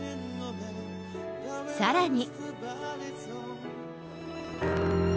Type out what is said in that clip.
さらに。